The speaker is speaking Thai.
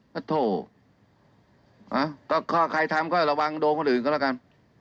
ก็โถก็ใครทำก็ระวังโดนคนอื่นก็แล้วกัน